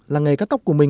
là nghề cắt tóc của mình